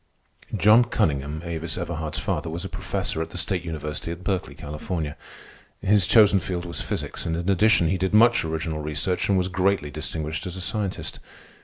John Cunningham, Avis Everhard's father, was a professor at the State University at Berkeley, California. His chosen field was physics, and in addition he did much original research and was greatly distinguished as a scientist.